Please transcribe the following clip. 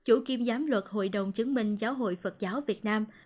chủ kiêm giám luật hội đồng chứng minh giáo hội phật giáo việt nam